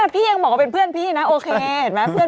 พี่ยังบอกว่าเป็นเพื่อนพี่นะโอเคเห็นไหม